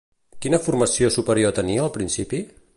Quina formació superior tenia al principi?